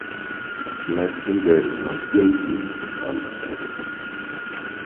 Blake pleaded not guilty to all charges.